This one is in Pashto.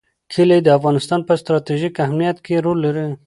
کلي د افغانستان په ستراتیژیک اهمیت کې رول لري.